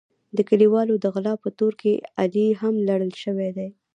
د کلیوالو د غلا په تور کې علي هم لړل شوی دی.